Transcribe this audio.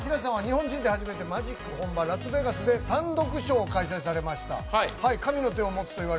ＫｉＬａさんは日本人で初めてマジックの本場ラスベガスで単独ショーを開催しました。